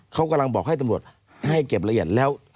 เขากำลังบอกให้ตำรวจให้เก็บละเอียดแล้ว